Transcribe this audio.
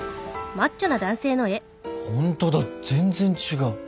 本当だ全然違う！